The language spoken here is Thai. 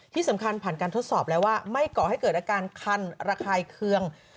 ที่สำคัญผ่านการทดสอบแล้วว่าไม่ก่อให้เกิดอาการคันระคายเคือง